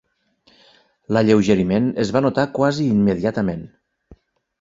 L'alleugeriment es va notar quasi immediatament.